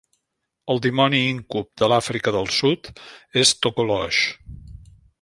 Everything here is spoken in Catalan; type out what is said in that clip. El dimoni íncub de l'Àfrica del Sud és Tokolosh.